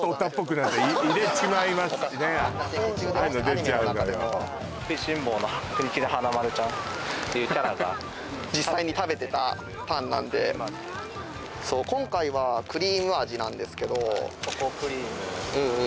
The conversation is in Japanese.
食いしん坊の国木田花丸ちゃんっていうキャラが実際に食べてたパンなんで今回はクリーム味なんですけどチョコクリームうんうん